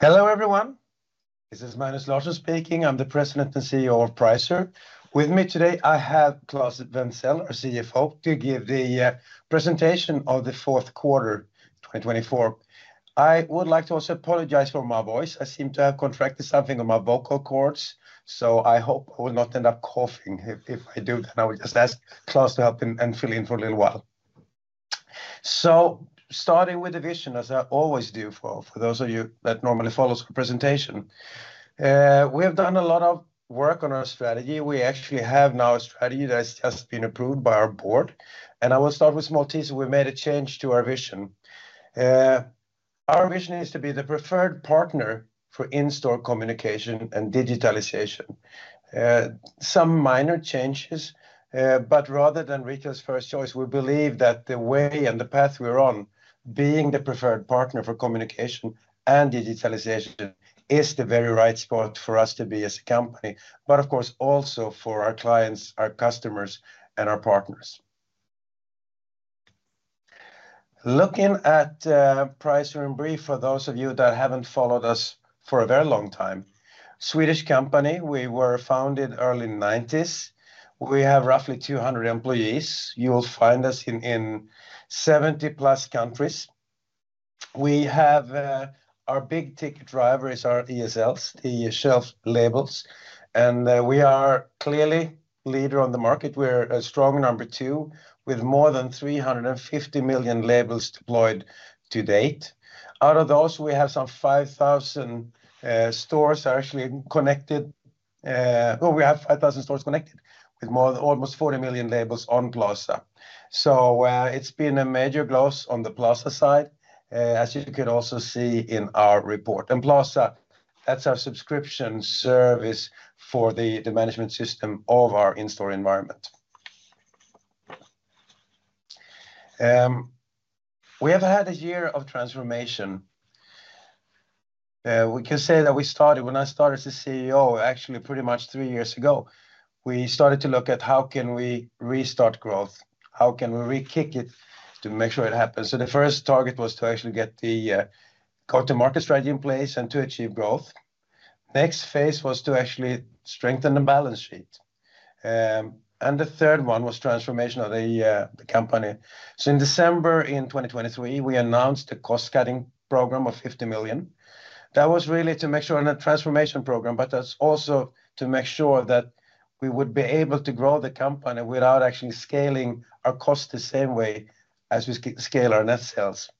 Hello, everyone. This is Magnus Larsson speaking. I'm the President and CEO of Pricer. With me today, I have Claes Wenthzel, our CFO, to give the presentation of the fourth quarter 2024. I would like to also apologize for my voice. I seem to have contracted something on my vocal cords, so I hope I will not end up coughing. If I do, then I will just ask Claes to help and fill in for a little while. Starting with the vision, as I always do for those of you that normally follow the presentation, we have done a lot of work on our strategy. We actually have now a strategy that has just been approved by our board. I will start with a small tease. We made a change to our vision. Our vision is to be the preferred partner for in-store communication and digitalization. Some minor changes, but rather than retail's first choice, we believe that the way and the path we're on, being the preferred partner for communication and digitalization, is the very right spot for us to be as a company, but of course, also for our clients, our customers, and our partners. Looking at Pricer in brief, for those of you that haven't followed us for a very long time, Swedish company. We were founded in the early 1990s. We have roughly 200 employees. You will find us in 70-plus countries. Our big ticket driver is our ESLs, the shelf labels. We are clearly a leader on the market. We're a strong number two, with more than 350 million labels deployed to date. Out of those, we have some 5,000 stores actually connected. We have 5,000 stores connected with almost 40 million labels on Plaza. It has been a major growth on the Plaza side, as you could also see in our report. Plaza, that's our subscription service for the management system of our in-store environment. We have had a year of transformation. We can say that we started, when I started as CEO, actually pretty much three years ago, we started to look at how can we restart growth, how can we re-kick it to make sure it happens. The first target was to actually get the go-to-market strategy in place and to achieve growth. The next phase was to actually strengthen the balance sheet. The third one was transformation of the company. In December 2023, we announced a cost-cutting program of 50 million. That was really to make sure on a transformation program, but that's also to make sure that we would be able to grow the company without actually scaling our costs the same way as we scale our net sales.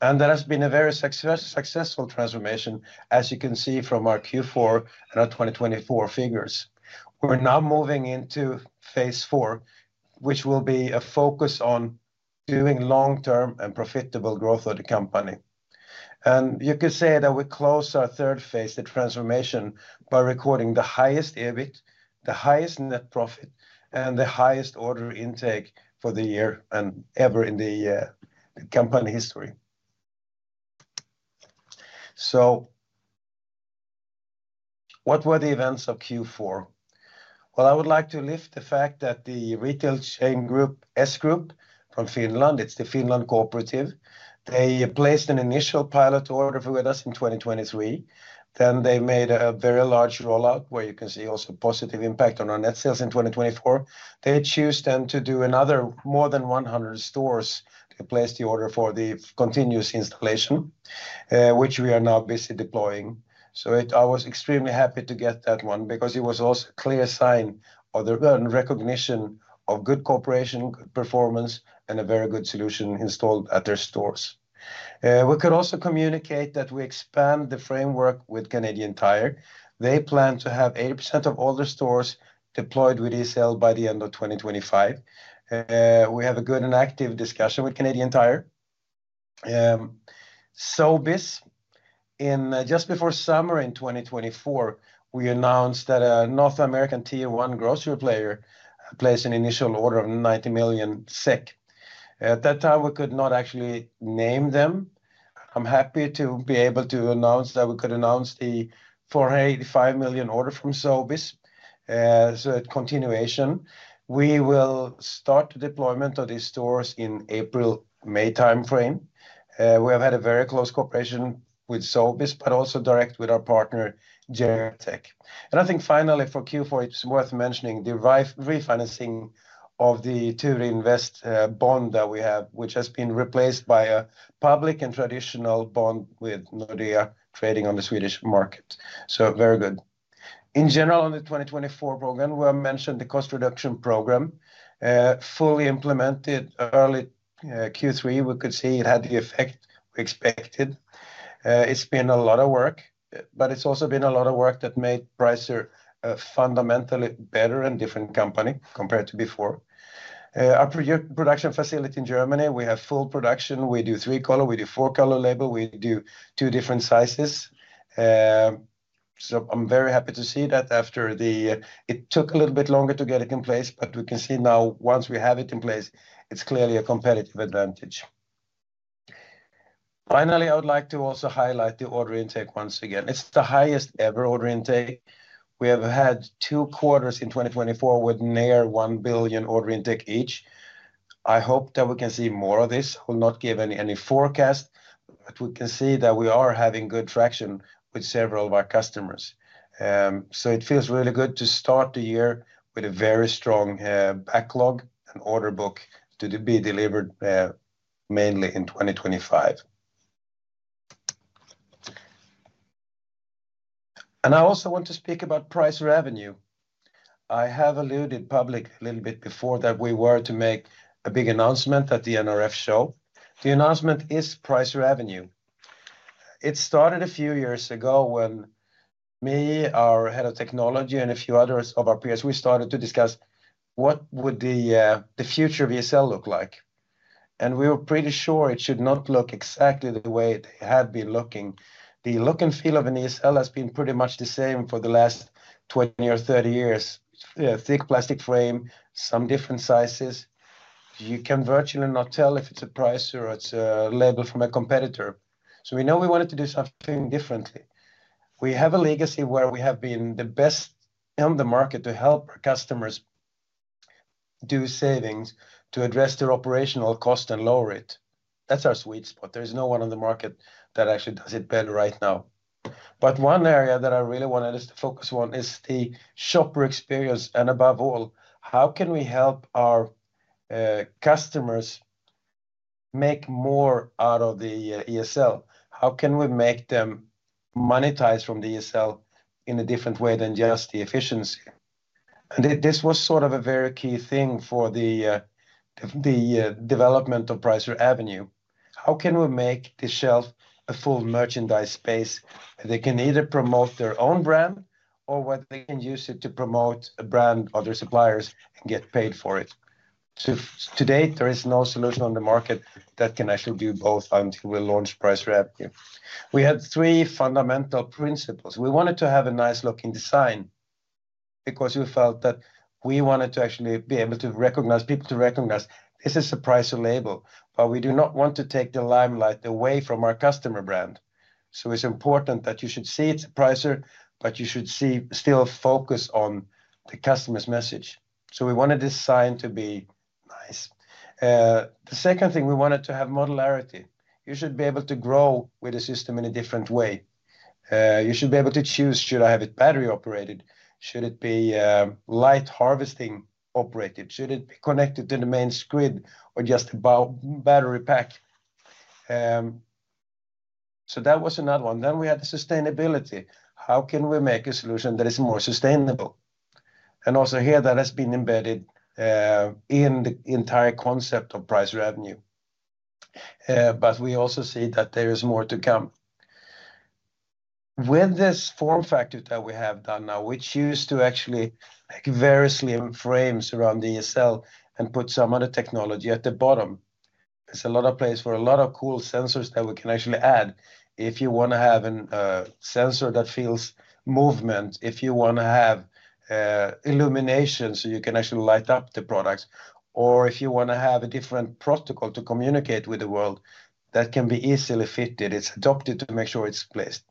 That has been a very successful transformation, as you can see from our Q4 and our 2024 figures. We are now moving phase IV, which will be a focus on doing long-term and profitable growth of the company. You could say that we closed our third phase, the transformation, by recording the highest EBIT, the highest net profit, and the highest order intake for the year and ever in the company history. What were the events of Q4? I would like to lift the fact that the retail chain group, S-Group from Finland, it's the Finland Cooperative, they placed an initial pilot order with us in 2023. They made a very large rollout where you can see also positive impact on our net sales in 2024. They chose then to do another more than 100 stores to place the order for the continuous installation, which we are now busy deploying. I was extremely happy to get that one because it was also a clear sign of the recognition of good cooperation, good performance, and a very good solution installed at their stores. We could also communicate that we expand the framework with Canadian Tire. They plan to have 80% of all the stores deployed with ESL by the end of 2025. We have a good and active discussion with Canadian Tire. Sobeys. Just before summer in 2024, we announced that a North American Tier One grocery player placed an initial order of 90 million SEK. At that time, we could not actually name them. I'm happy to be able to announce that we could announce the 485 million order from Sobeys. It is continuation. We will start the deployment of these stores in the April-May timeframe. We have had a very close cooperation with Sobeys, but also direct with our partner, Geratech. I think finally for Q4, it's worth mentioning the refinancing of the TURINVEST bond that we have, which has been replaced by a public and traditional bond with Nordea trading on the Swedish market. Very good. In general, on the 2024 program, we mentioned the cost reduction program fully implemented early Q3. We could see it had the effect we expected. It's been a lot of work, but it's also been a lot of work that made Pricer fundamentally better and a different company compared to before. Our production facility in Germany, we have full production. We do three-color, we do four-color label, we do two different sizes. I am very happy to see that after it took a little bit longer to get it in place, but we can see now once we have it in place, it is clearly a competitive advantage. Finally, I would like to also highlight the order intake once again. It is the highest ever order intake. We have had two quarters in 2024 with near 1 billion order intake each. I hope that we can see more of this. I will not give any forecast, but we can see that we are having good traction with several of our customers. It feels really good to start the year with a very strong backlog and order book to be delivered mainly in 2025. I also want to speak about Pricer Avenue. I have alluded public a little bit before that we were to make a big announcement at the NRF show. The announcement is Pricer Avenue. It started a few years ago when me, our head of technology, and a few others of our peers, we started to discuss what would the future of ESL look like. We were pretty sure it should not look exactly the way it had been looking. The look and feel of an ESL has been pretty much the same for the last 20 or 30 years. Thick plastic frame, some different sizes. You can virtually not tell if it's a Pricer or it's a label from a competitor. We know we wanted to do something differently. We have a legacy where we have been the best on the market to help our customers do savings, to address their operational cost and lower it. That's our sweet spot. There's no one on the market that actually does it better right now. One area that I really wanted us to focus on is the shopper experience. Above all, how can we help our customers make more out of the ESL? How can we make them monetize from the ESL in a different way than just the efficiency? This was sort of a very key thing for the development of Pricer Avenue. How can we make the shelf a full merchandise space that they can either promote their own brand or where they can use it to promote a brand, other suppliers, and get paid for it? To date, there is no solution on the market that can actually do both until we launch Pricer Avenue. We had three fundamental principles. We wanted to have a nice-looking design because we felt that we wanted to actually be able to recognize people to recognize this is a Pricer label, but we do not want to take the limelight away from our customer brand. It is important that you should see it is a Pricer, but you should still focus on the customer's message. We wanted this sign to be nice. The second thing, we wanted to have modularity. You should be able to grow with the system in a different way. You should be able to choose, should I have it battery-operated? Should it be light harvesting-operated? Should it be connected to the main grid or just a battery pack? That was another one. We had the sustainability. How can we make a solution that is more sustainable? Also here that has been embedded in the entire concept of Pricer Avenue. We also see that there is more to come. With this form factor that we have done now, which used to actually variously frame around the ESL and put some other technology at the bottom, there is a lot of place for a lot of cool sensors that we can actually add. If you want to have a sensor that feels movement, if you want to have illumination so you can actually light up the products, or if you want to have a different protocol to communicate with the world, that can be easily fitted. It is adopted to make sure it is placed.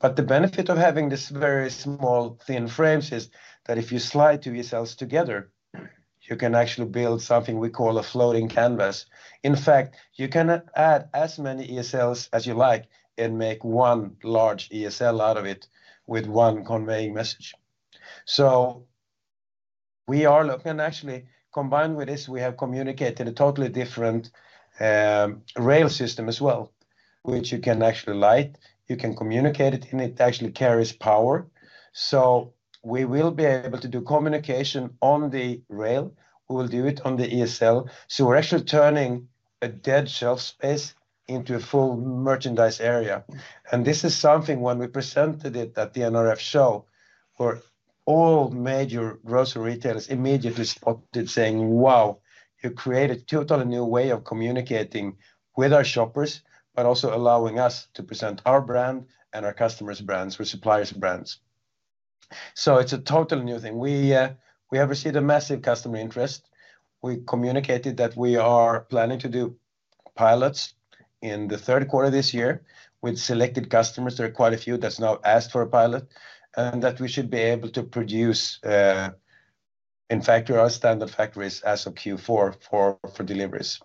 The benefit of having this very small, thin frame is that if you slide two ESLs together, you can actually build something we call a floating canvas. In fact, you can add as many ESLs as you like and make one large ESL out of it with one conveying message. We are looking at actually combined with this, we have communicated a totally different rail system as well, which you can actually light. You can communicate it and it actually carries power. We will be able to do communication on the rail. We will do it on the ESL. We are actually turning a dead shelf space into a full merchandise area. This is something when we presented it at the NRF show, all major grocery retailers immediately spotted saying, "Wow, you created a totally new way of communicating with our shoppers, but also allowing us to present our brand and our customers' brands or suppliers' brands." It is a totally new thing. We have received a massive customer interest. We communicated that we are planning to do pilots in the third quarter this year with selected customers. There are quite a few that's now asked for a pilot and that we should be able to produce in factory or standard factories as of Q4 for deliveries.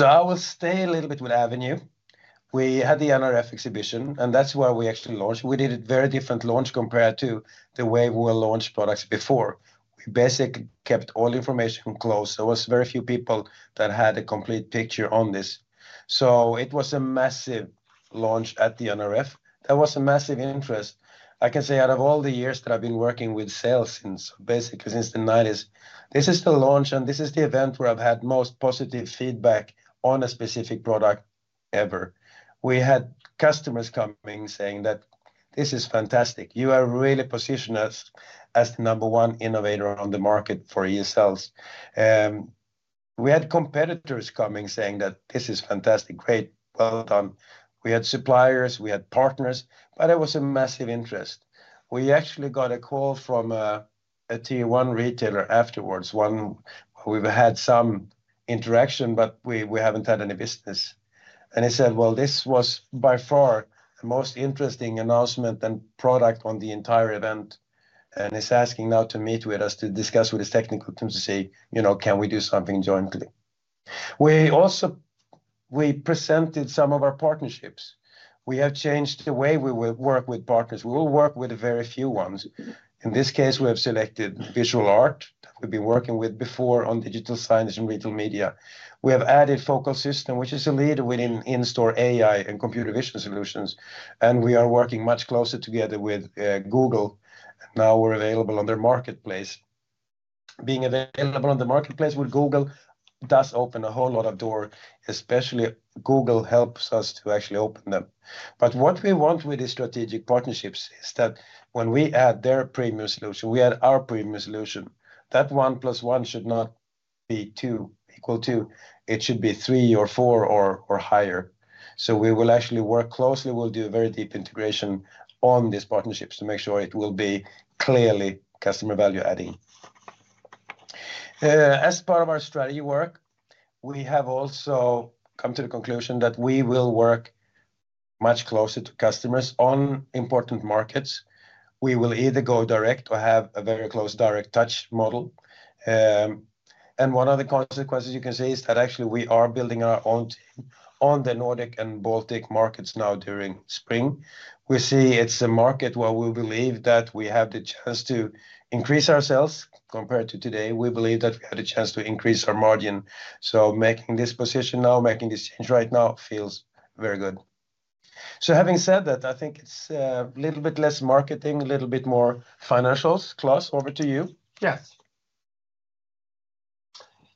I will stay a little bit with Avenue. We had the NRF exhibition, and that's where we actually launched. We did a very different launch compared to the way we were launching products before. We basically kept all information close. There were very few people that had a complete picture on this. It was a massive launch at the NRF. There was a massive interest. I can say out of all the years that I've been working with sales since basically since the 1990s, this is the launch and this is the event where I've had most positive feedback on a specific product ever. We had customers coming saying that this is fantastic. You are really positioned as the number one innovator on the market for ESLs. We had competitors coming saying that this is fantastic. Great. Well done. We had suppliers, we had partners, but there was a massive interest. We actually got a call from a Tier One retailer afterwards. We've had some interaction, but we haven't had any business. He said, "This was by far the most interesting announcement and product on the entire event." He is asking now to meet with us to discuss with his technical team to say, "Can we do something jointly?" We presented some of our partnerships. We have changed the way we work with partners. We will work with very few ones. In this case, we have selected Visual Art that we have been working with before on digital signage and retail media. We have added Focal Systems, which is a leader within in-store AI and computer vision solutions. We are working much closer together with Google. Now we are available on their marketplace. Being available on the marketplace with Google does open a whole lot of doors, especially since Google helps us to actually open them. What we want with these strategic partnerships is that when we add their premium solution, we add our premium solution. That one plus one should not be two equal to. It should be three or four or higher. We will actually work closely. We'll do a very deep integration on these partnerships to make sure it will be clearly customer value-adding. As part of our strategy work, we have also come to the conclusion that we will work much closer to customers on important markets. We will either go direct or have a very close direct touch model. One of the consequences you can see is that actually we are building our own team on the Nordic and Baltic markets now during spring. We see it's a market where we believe that we have the chance to increase ourselves compared to today. We believe that we have the chance to increase our margin. Making this position now, making this change right now feels very good. Having said that, I think it's a little bit less marketing, a little bit more financials. Claes, over to you. Yes.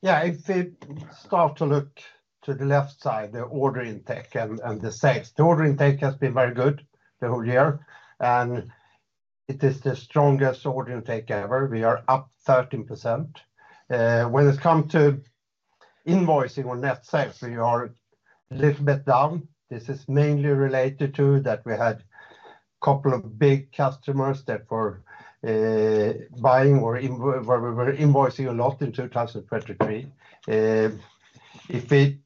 If we start to look to the left side, the order intake and the sales. The order intake has been very good the whole year. It is the strongest order intake ever. We are up 13%. When it comes to invoicing or net sales, we are a little bit down. This is mainly related to that we had a couple of big customers that were buying or where we were invoicing a lot in 2023. If we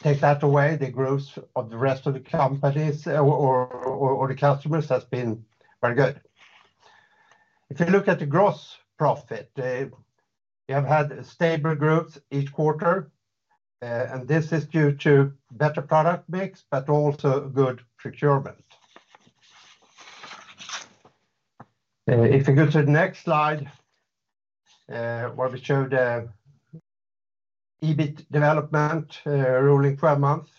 take that away, the growth of the rest of the companies or the customers has been very good. If you look at the gross profit, we have had stable growth each quarter. This is due to better product mix, but also good procurement. If we go to the next slide, where we show the EBIT development rolling 12 months,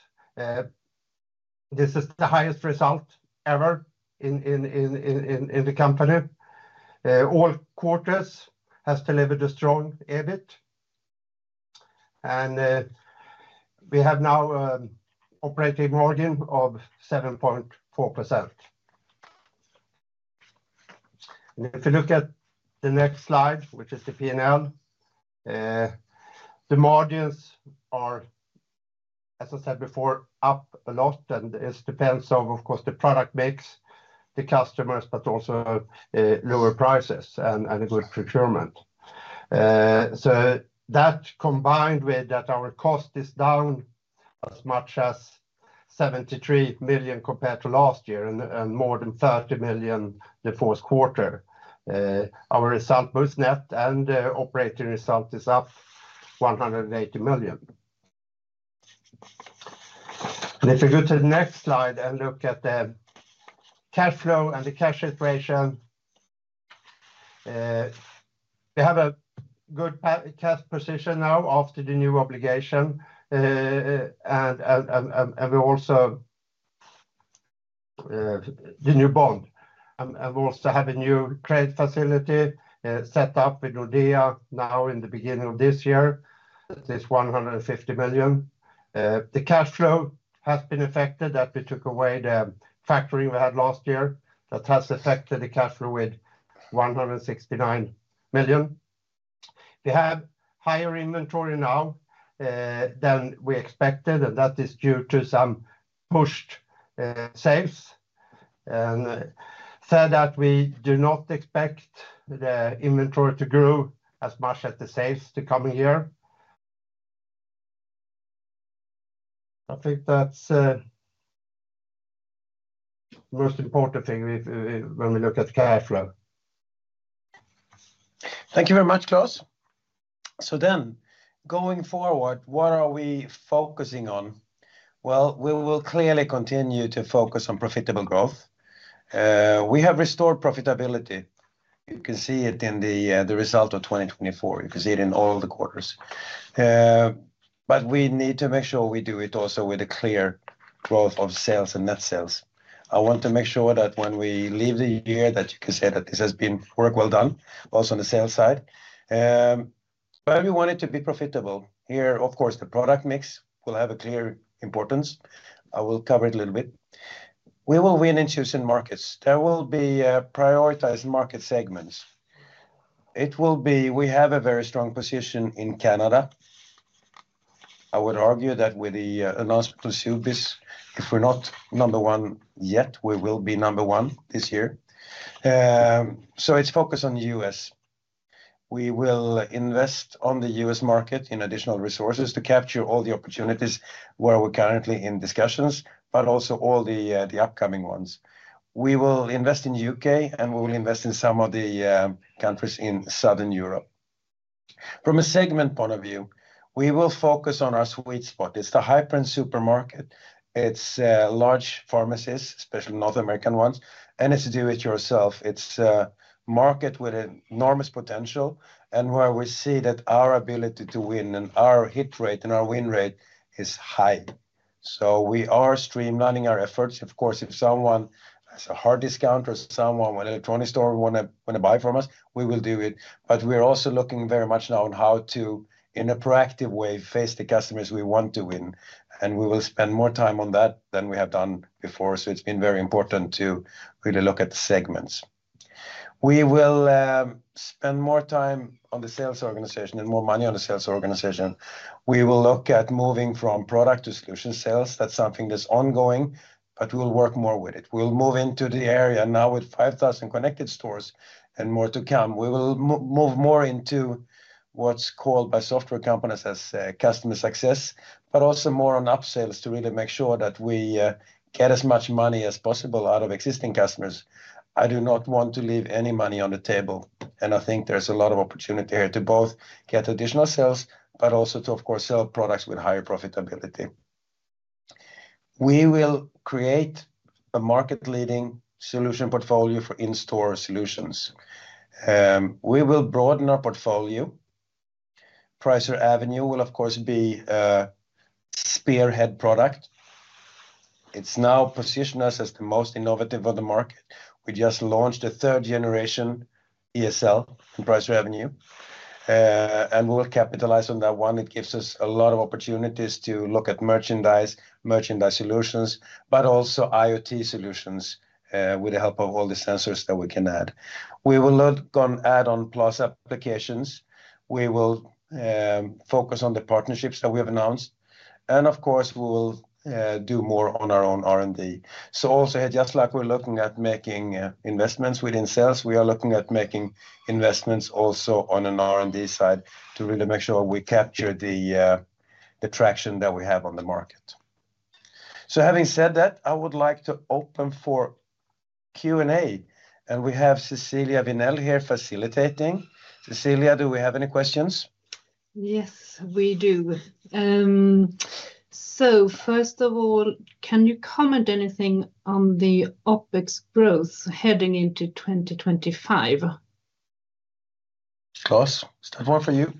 this is the highest result ever in the company. All quarters have delivered a strong EBIT. We have now an operating margin of 7.4%. If we look at the next slide, which is the P&L, the margins are, as I said before, up a lot. It depends on, of course, the product mix, the customers, but also lower prices and good procurement. That combined with that our cost is down as much as 73 million compared to last year and more than 30 million the fourth quarter. Our result, both net and operating result, is up 180 million. If we go to the next slide and look at the cash flow and the cash iteration, we have a good cash position now after the new obligation. We also have the new bond. We also have a new trade facility set up with Nordea now in the beginning of this year. That is 150 million. The cash flow has been affected that we took away the factoring we had last year. That has affected the cash flow with 169 million. We have higher inventory now than we expected, and that is due to some pushed sales. I said that we do not expect the inventory to grow as much as the sales the coming year. I think that's the most important thing when we look at cash flow. Thank you very much, Claes. Going forward, what are we focusing on? We will clearly continue to focus on profitable growth. We have restored profitability. You can see it in the result of 2024. You can see it in all the quarters. We need to make sure we do it also with a clear growth of sales and net sales. I want to make sure that when we leave the year, that you can say that this has been work well done, also on the sales side. We want it to be profitable. Here, of course, the product mix will have a clear importance. I will cover it a little bit. We will win in choosing markets. There will be prioritized market segments. We have a very strong position in Canada. I would argue that with the announcement of Sobeys, if we're not number one yet, we will be number one this year. It's focused on the U.S. We will invest in the U.S. market in additional resources to capture all the opportunities where we're currently in discussions, but also all the upcoming ones. We will invest in the U.K., and we will invest in some of the countries in Southern Europe. From a segment point of view, we will focus on our sweet spot. It's the hyper and supermarket. It's large pharmacies, especially North American ones. And it's a do-it-yourself. It's a market with enormous potential and where we see that our ability to win and our hit rate and our win rate is high. We are streamlining our efforts. Of course, if someone has a hard discount or someone with an electronics store want to buy from us, we will do it. We are also looking very much now on how to, in a proactive way, face the customers we want to win. We will spend more time on that than we have done before. It has been very important to really look at the segments. We will spend more time on the sales organization and more money on the sales organization. We will look at moving from product to solution sales. That is something that is ongoing, but we will work more with it. We will move into the area now with 5,000 connected stores and more to come. We will move more into what is called by software companies as customer success, but also more on upsales to really make sure that we get as much money as possible out of existing customers. I do not want to leave any money on the table. I think there's a lot of opportunity here to both get additional sales, but also to, of course, sell products with higher profitability. We will create a market-leading solution portfolio for in-store solutions. We will broaden our portfolio. Pricer Avenue will, of course, be a spearhead product. It's now positioned us as the most innovative on the market. We just launched the third-generation ESL and Pricer Avenue. We'll capitalize on that one. It gives us a lot of opportunities to look at merchandise, merchandise solutions, but also IoT solutions with the help of all the sensors that we can add. We will look on add-on plus applications. We will focus on the partnerships that we have announced. Of course, we will do more on our own R&D. Also here, just like we're looking at making investments within sales, we are looking at making investments also on an R&D side to really make sure we capture the traction that we have on the market. Having said that, I would like to open for Q&A. We have Cecilia Vinell here facilitating. Cecilia, do we have any questions? Yes, we do. First of all, can you comment on anything on the OpEx growth heading into 2025? Claes, that one for you.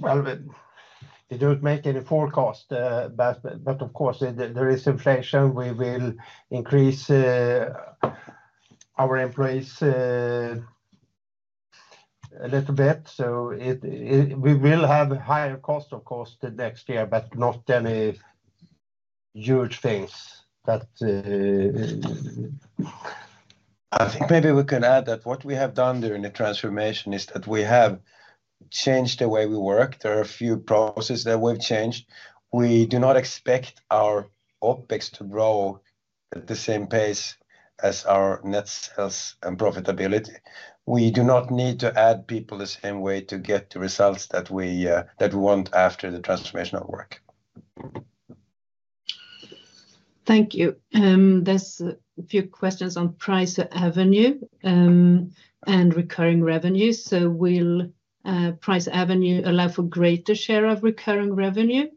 We do not make any forecast, but of course, there is inflation. We will increase our employees a little bit. We will have higher costs, of course, next year, but not any huge things. I think maybe we can add that what we have done during the transformation is that we have changed the way we work. There are a few processes that we've changed. Wedo not expect our OpEx to grow at the same pace as our net sales and profitability. We do not need to add people the same way to get the results that we want after the transformational work. Thank you. There are a few questions on Pricer Avenue and recurring revenue. Will Pricer Avenue allow for a greater share of recurring revenue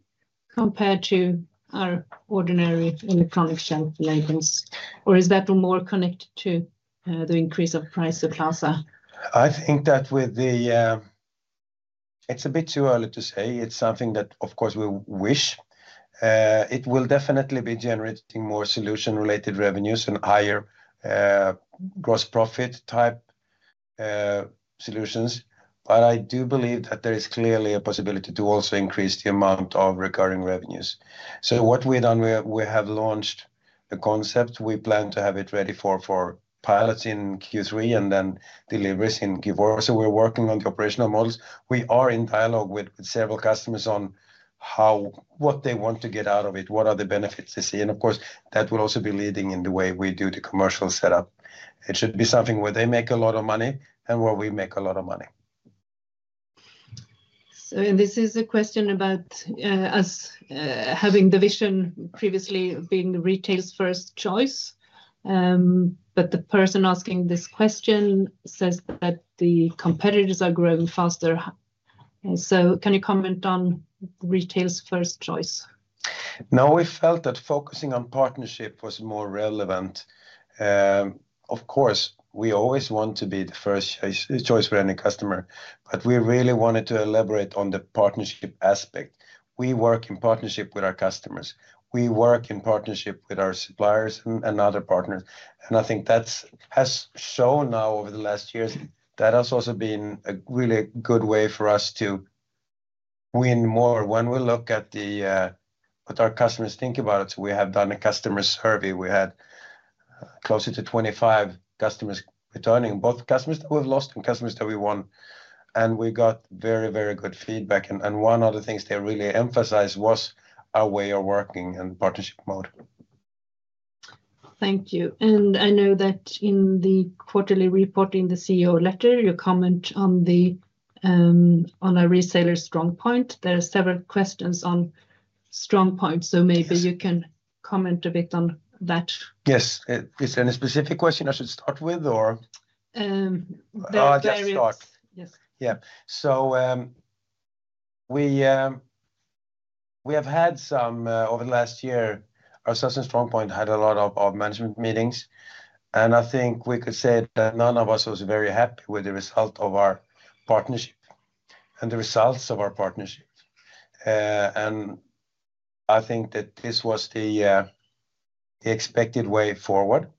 compared to our ordinary electronic shelf maintenance? Or is that more connected to the increase of price of Plaza? I think that with the, it's a bit too early to say. It's something that, of course, we wish. It will definitely be generating more solution-related revenues and higher gross profit type solutions. I do believe that there is clearly a possibility to also increase the amount of recurring revenues. What we've done, we have launched a concept. We plan to have it ready for pilots in Q3 and then deliveries in Q4. We are working on the operational models. We are in dialogue with several customers on what they want to get out of it, what are the benefits they see. Of course, that will also be leading in the way we do the commercial setup. It should be something where they make a lot of money and where we make a lot of money. This is a question about us having the vision previously being retail's first choice. The person asking this question says that the competitors are growing faster. Can you comment on retail's first choice? No, we felt that focusing on partnership was more relevant. Of course, we always want to be the first choice for any customer. We really wanted to elaborate on the partnership aspect. We work in partnership with our customers. We work in partnership with our suppliers and other partners. I think that has shown now over the last years that has also been a really good way for us to win more when we look at what our customers think about it. We have done a customer survey. We had closer to 25 customers returning, both customers that we've lost and customers that we won. We got very, very good feedback. One of the things they really emphasized was our way of working and partnership mode. Thank you. I know that in the quarterly report, in the CEO letter, you comment on a reseller StrongPoint. There are several questions on StrongPoint. Maybe you can comment a bit on that. Yes. Is there any specific question I should start with or just start. Yes. Yeah. We have had some over the last year. Our sales and StrongPoint had a lot of management meetings. I think we could say that none of us was very happy with the result of our partnership and the results of our partnership. I think that this was the expected way forward.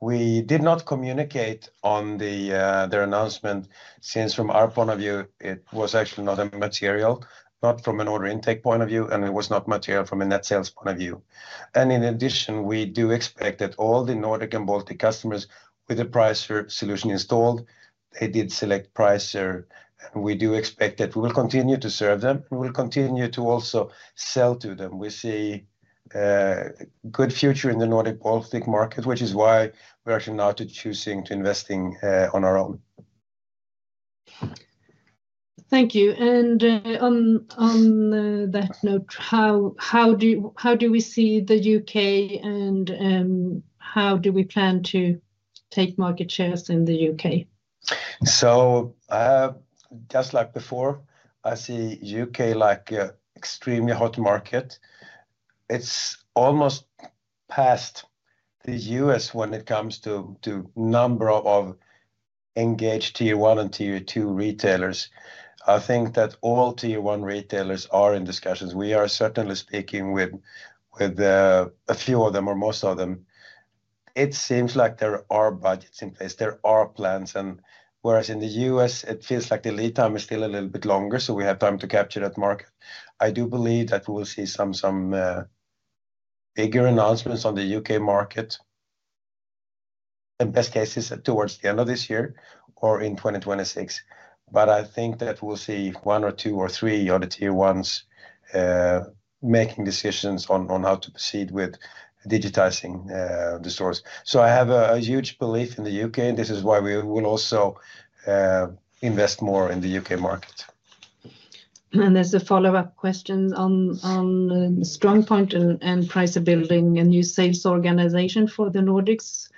We did not communicate on their announcement since from our point of view, it was actually not material, not from an order intake point of view, and it was not material from a net sales point of view. In addition, we do expect that all the Nordic and Baltic customers with the Pricer solution installed, they did select Pricer. We do expect that we will continue to serve them and we will continue to also sell to them. We see a good future in the Nordic Baltic market, which is why we're actually now choosing to invest on our own. Thank you. On that note, how do we see the U.K. and how do we plan to take market shares in the U.K.? Just like before, I see U.K. like an extremely hot market. It's almost past the U.S. when it comes to number of engaged Tier 1 and Tier 2 retailers. I think that all Tier 1 retailers are in discussions. We are certainly speaking with a few of them or most of them. It seems like there are budgets in place. There are plans. Whereas in the U.S., it feels like the lead time is still a little bit longer, so we have time to capture that market. I do believe that we'll see some bigger announcements on the U.K. market, in best case, towards the end of this year or in 2026. I think that we'll see one or two or three of the Tier 1s making decisions on how to proceed with digitizing the stores. I have a huge belief in the U.K., and this is why we will also invest more in the U.K. market. There's a follow-up question on StrongPoint and Pricer building a new sales organization for the Nordics.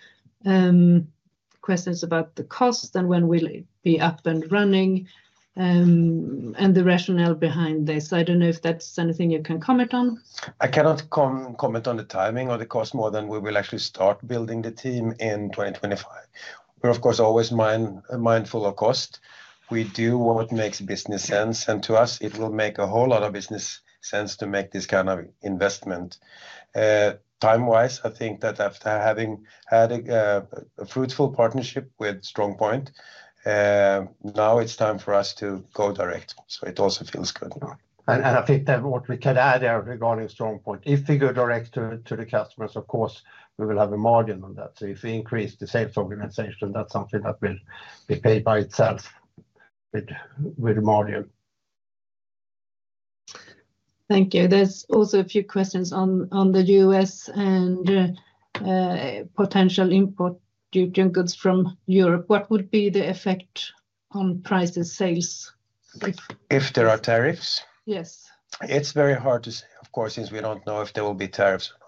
Questions about the cost and when will it be up and running and the rationale behind this. I don't know if that's anything you can comment on. I cannot comment on the timing or the cost more than we will actually start building the team in 2025. We're, of course, always mindful of cost. We do what makes business sense. To us, it will make a whole lot of business sense to make this kind of investment. Time-wise, I think that after having had a fruitful partnership with StrongPoint, now it's time for us to go direct. It also feels good. I think that what we can add there regarding StrongPoint, if we go direct to the customers, of course, we will have a margin on that. If we increase the sales organization, that's something that will be paid by itself with a margin. Thank you. There's also a few questions on the U.S. and potential import of European goods from Europe. What would be the effect on prices and sales? If there are tariffs? Yes. It's very hard to say, of course, since we don't know if there will be tariffs or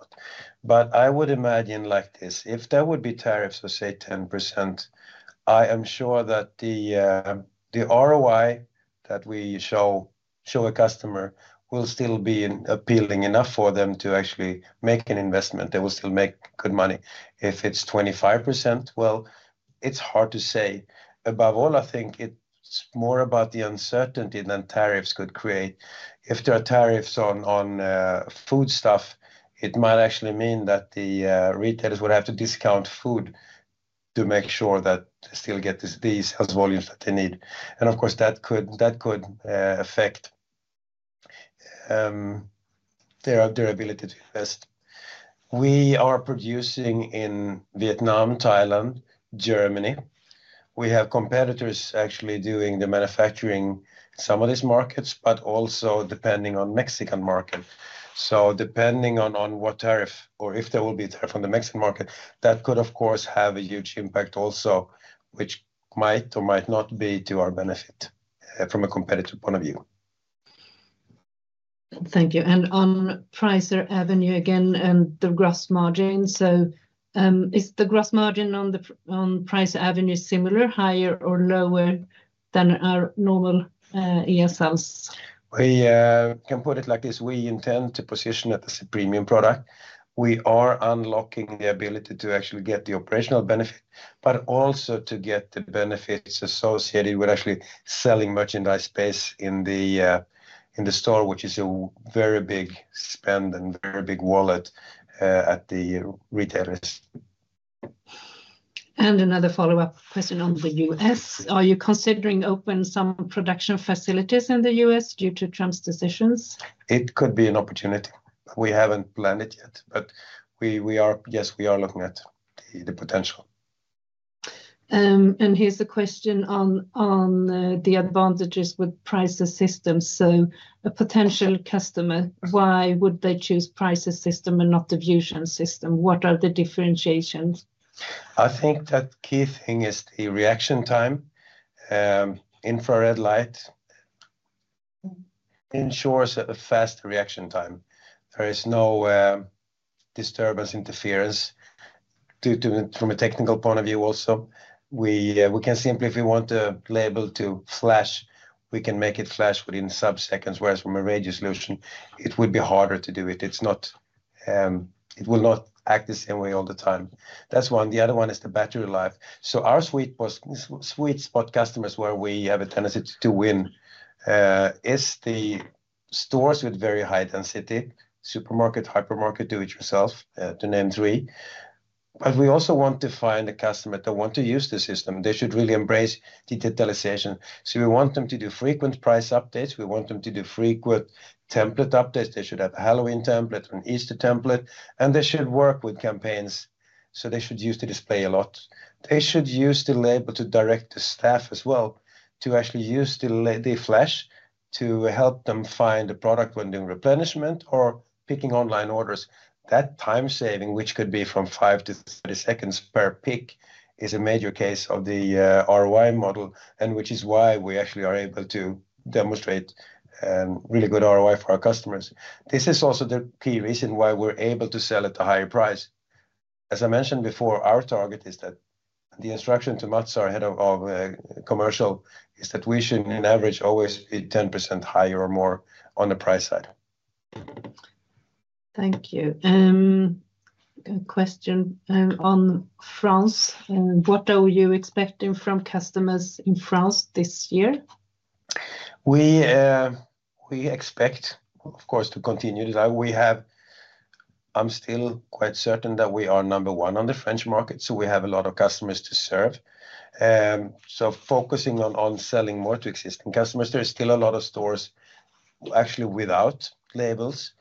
not. I would imagine like this. If there would be tariffs of, say, 10%, I am sure that the ROI that we show a customer will still be appealing enough for them to actually make an investment. They will still make good money. If it's 25%, it's hard to say. Above all, I think it's more about the uncertainty that tariffs could create. If there are tariffs on food stuff, it might actually mean that the retailers would have to discount food to make sure that they still get these sales volumes that they need. Of course, that could affect their ability to invest. We are producing in Vietnam, Thailand, Germany. We have competitors actually doing the manufacturing in some of these markets, but also depending on the Mexican market. Depending on what tariff or if there will be a tariff on the Mexican market, that could, of course, have a huge impact also, which might or might not be to our benefit from a competitive point of view. Thank you. On Pricer Avenue again and the gross margin. Is the gross margin on Pricer Avenue similar, higher, or lower than our normal ESLs? We can put it like this. We intend to position it as a premium product. We are unlocking the ability to actually get the operational benefit, but also to get the benefits associated with actually selling merchandise space in the store, which is a very big spend and very big wallet at the retailers. Another follow-up question on the U.S. Are you considering opening some production facilities in the U.S. due to Trump's decisions? It could be an opportunity. We haven't planned it yet, but yes, we are looking at the potential. Here's a question on the advantages with Pricer systems. A potential customer, why would they choose Pricer system and not the Vusion system? What are the differentiations? I think the key thing is the reaction time. Infrared light ensures a fast reaction time. There is no disturbance interference from a technical point of view also. We can simply, if we want the label to flash, we can make it flash within subseconds. Whereas from a radio solution, it would be harder to do it. It will not act the same way all the time. That's one. The other one is the battery life. Our sweet spot customers where we have a tendency to win is the stores with very high density, supermarket, hypermarket, do-it-yourself, to name three. We also want to find the customer that wants to use the system. They should really embrace digitalization. We want them to do frequent price updates. We want them to do frequent template updates. They should have a Halloween template or an Easter template. They should work with campaigns. They should use the display a lot. They should use the label to direct the staff as well to actually use the flash to help them find the product when doing replenishment or picking online orders. That time saving, which could be from 5 to 30 seconds per pick, is a major case of the ROI model, which is why we actually are able to demonstrate really good ROI for our customers. This is also the key reason why we're able to sell at a higher price. As I mentioned before, our target is that the instruction to Matsu, our Head of Commercial, is that we should, in average, always be 10% higher or more on the price side. Thank you. Question on France. What are you expecting from customers in France this year? We expect, of course, to continue to sell. I'm still quite certain that we are number one on the French market, so we have a lot of customers to serve. Focusing on selling more to existing customers, there are still a lot of stores actually without labels,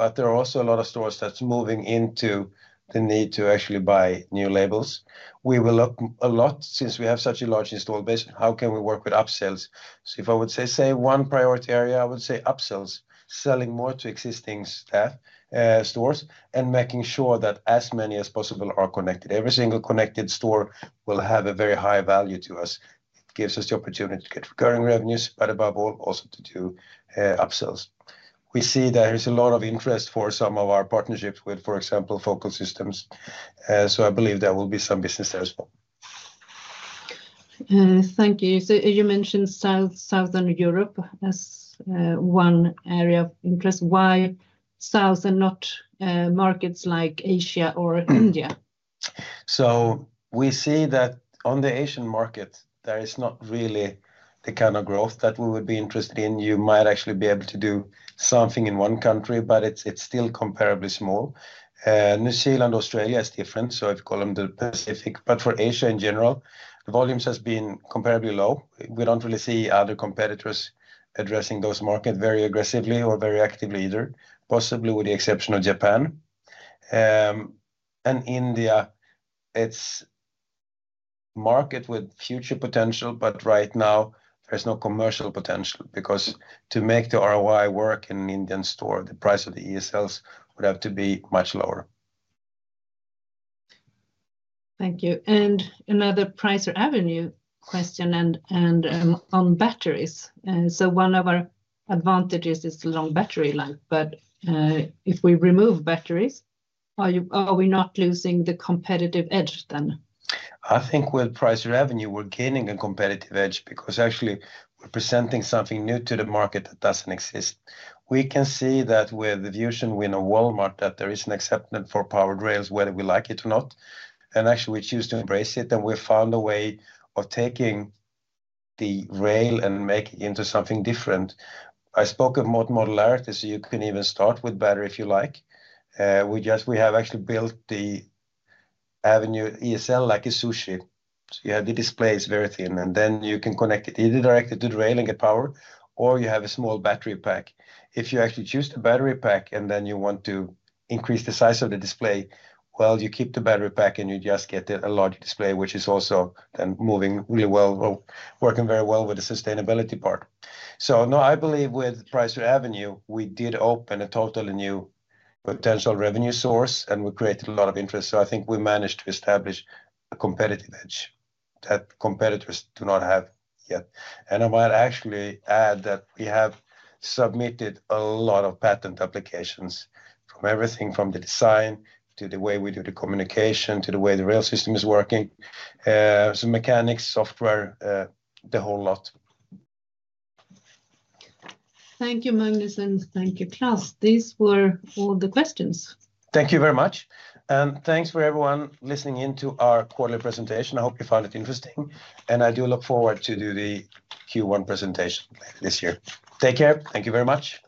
but there are also a lot of stores that's moving into the need to actually buy new labels. We will look a lot, since we have such a large installed base, how can we work with upsells? If I would say one priority area, I would say upsells, selling more to existing stores and making sure that as many as possible are connected. Every single connected store will have a very high value to us. It gives us the opportunity to get recurring revenues, but above all, also to do upsells. We see that there is a lot of interest for some of our partnerships with, for example, Focal Systems. I believe there will be some business there as well. Thank you. You mentioned Southern Europe as one area of interest. Why South and not markets like Asia or India? We see that on the Asian market, there is not really the kind of growth that we would be interested in. You might actually be able to do something in one country, but it is still comparably small. New Zealand, Australia is different. I've called them the Pacific. For Asia in general, the volumes have been comparably low. We don't really see other competitors addressing those markets very aggressively or very actively either, possibly with the exception of Japan. India, it's a market with future potential, but right now, there's no commercial potential because to make the ROI work in an Indian store, the price of the ESLs would have to be much lower. Thank you. Another Pricer Avenue question on batteries. One of our advantages is the long battery life, but if we remove batteries, are we not losing the competitive edge then? I think with Pricer Avenue, we're gaining a competitive edge because actually we're presenting something new to the market that doesn't exist. We can see that with the VusionGroup winner Walmart, that there is an acceptance for powered rails, whether we like it or not. Actually, we choose to embrace it, and we found a way of taking the rail and making it into something different. I spoke of modularity, so you can even start with battery if you like. We have actually built the Pricer Avenue ESL like a sushi. You have the display, it's very thin, and then you can connect it either directly to the rail and get power, or you have a small battery pack. If you actually choose the battery pack and then you want to increase the size of the display, you keep the battery pack and you just get a larger display, which is also then moving really well or working very well with the sustainability part. No, I believe with Pricer Avenue, we did open a totally new potential revenue source, and we created a lot of interest. I think we managed to establish a competitive edge that competitors do not have yet. I might actually add that we have submitted a lot of patent applications from everything from the design to the way we do the communication to the way the rail system is working. Mechanics, software, the whole lot. Thank you, Magnus, and thank you, Claes. These were all the questions. Thank you very much. Thanks for everyone listening in to our quarterly presentation. I hope you found it interesting, and I do look forward to do the Q1 presentation later this year. Take care. Thank you very much.